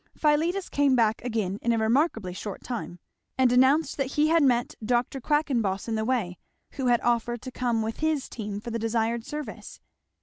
Philetus came back again in a remarkably short time; and announced that he had met Dr. Quackenboss in the way, who had offered to come with his team for the desired service.